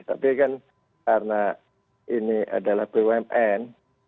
tapi kan karena ini adalah bumn